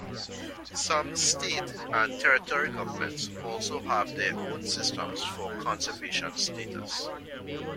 Some state and territory governments also have their own systems for conservation status.